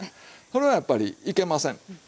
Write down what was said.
それはやっぱりいけません。